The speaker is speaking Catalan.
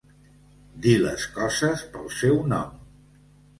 Dir les coses pel seu nom.